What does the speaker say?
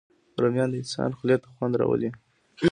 رومیان د انسان خولې ته خوند راولي